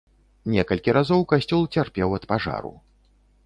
Некалькі разоў касцёл цярпеў ад пажару.